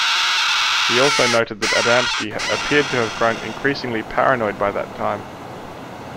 He also noted that Adamski appeared to have grown increasingly paranoid by that time.